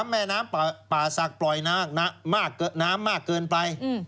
๓แม่น้ำป่าศักดิ์ปล่อยน้ำมากเกินไป